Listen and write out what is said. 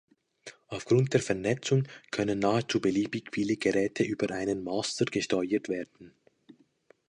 Aufgrund der Vernetzung können nahezu beliebig viele Geräte über einen Master gesteuert werden.